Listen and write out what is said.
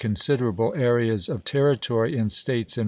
considerable areas of territory in States in 1862.